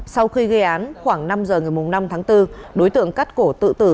sau khi gây án khoảng năm giờ ngày năm tháng bốn đối tượng cắt cổ tự tử